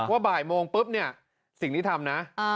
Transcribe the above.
ว่าบ่ายโมงปุ๊บเนี่ยสิ่งที่ทำนะ